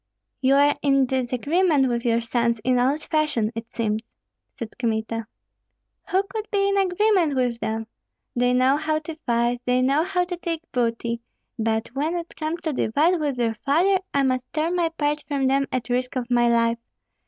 "You are in disagreement with your sons in old fashion, it seems?" said Kmita. "Who could be in agreement with them? They know how to fight, they know how to take booty; but when it comes to divide with their father, I must tear my part from them at risk of my life.